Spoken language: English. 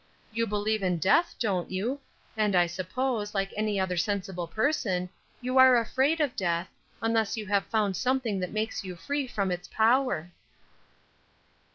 You believe in death, don't you? and I suppose, like every other sensible person, you are afraid of death, unless you have found something that makes you free from its power."